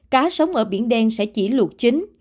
cá sống ở biển đen sẽ chỉ luộc chính